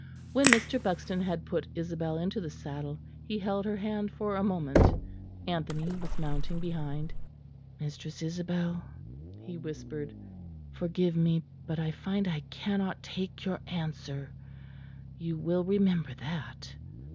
When Mr. Buxton had put Isabel into the saddle, he held her hand for a moment; Anthony was mounting behind. "Mistress Isabel," he whispered; "forgive me; but I find I cannot take your answer; you will remember that."